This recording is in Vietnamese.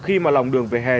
khi mà lòng đường về hè